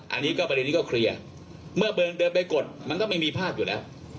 อันนี้ก็ประเด็นนี้ก็เคลียร์เมื่อเดินไปกดมันก็ไม่มีภาพอยู่แล้ว